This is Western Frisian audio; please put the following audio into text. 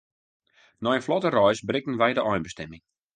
Nei in flotte reis berikten wy de einbestimming.